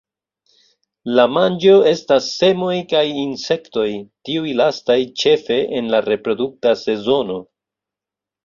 La manĝo estas semoj kaj insektoj, tiuj lastaj ĉefe en la reprodukta sezono.